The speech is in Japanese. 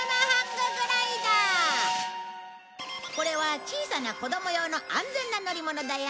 これは小さな子供用の安全な乗り物だよ。